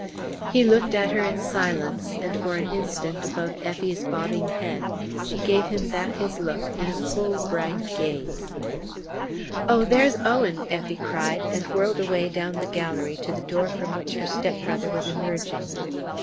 He looked at her in silence, and for an instant, above Effie's bobbing head, she gave him back his look in a full bright gaze. "Oh, there's Owen!" Effie cried, and whirled away down the gallery to the door from which her step brother was emerging.